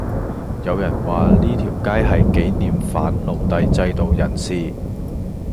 有人話呢條街係記念反奴隸制度人士